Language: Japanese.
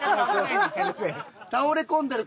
倒れ込んだら。